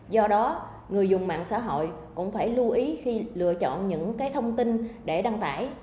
do đó người dùng mạng xã hội cũng phải lưu ý khi lựa chọn những thông tin để đăng tải